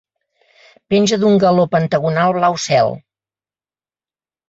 Penja d'un galó pentagonal blau cel.